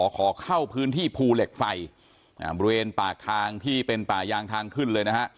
ขอเข้าพื้นที่ภูเหล็กไฟบริเวณปากทางที่เป็นป่ายางทางขึ้นเลยนะฮะ